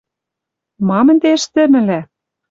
Мам-ӹнде ӹштӹмӹлӓ?..